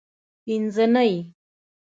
پینځنۍ